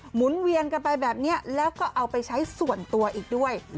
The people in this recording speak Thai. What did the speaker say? หมุนเวียนกันไปแบบนี้แล้วก็เอาไปใช้ส่วนตัวอีกด้วย